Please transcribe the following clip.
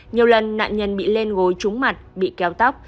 nhiều lần nạn nhân bị lên gối trúng mặt bị kéo tóc